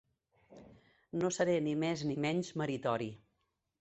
No seré ni més ni menys meritori.